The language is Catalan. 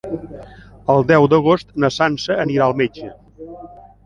El deu d'agost na Sança anirà al metge.